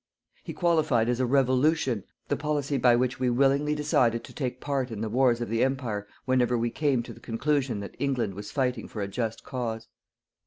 He qualified as a Revolution the policy by which we willingly decided to take part in the wars of the Empire whenever we came to the conclusion that England was fighting for a just cause.